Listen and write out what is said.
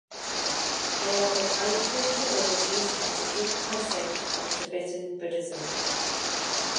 They are the patron divinities of the Drukpa sect of Tibetan Buddhism.